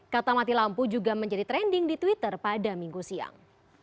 kata mati lampu juga menjadi trending di twitter pada minggu siang